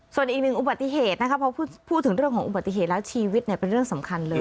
ส่วนอีกหนึ่งอุบัติเหตุนะคะพอพูดถึงเรื่องของอุบัติเหตุแล้วชีวิตเป็นเรื่องสำคัญเลย